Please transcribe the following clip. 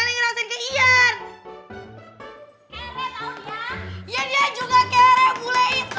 iya dia juga kere bule itu